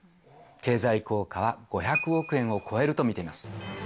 経済効果は５００億円を超えると見ています。